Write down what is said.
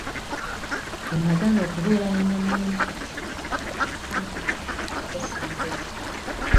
Bwe nagaana okubeera ne nannyimu ku kyeyo n'ampayiriza nti nali mubbyeko ssente ze.